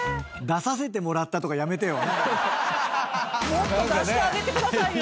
もっと出してあげてくださいよ！